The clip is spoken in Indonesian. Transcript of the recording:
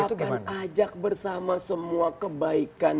kami justru akan ajak bersama semua kebaikan